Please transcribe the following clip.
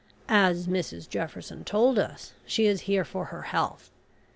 As Mrs Jefferson told us, she is here for her health.